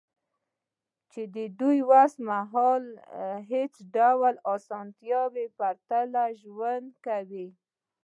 چې دوی اوس مهال له هېڅ ډول اسانتیاوو پرته ژوند کوي